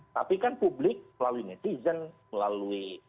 tapi kan publik melalui netizen melalui